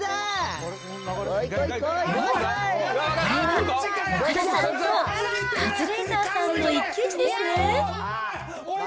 おっ、岡田さんとカズレーザーさんの一騎打ちですね。